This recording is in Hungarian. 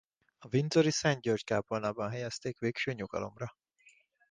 A windsori Szent György-kápolnában helyezték végső nyugalomra.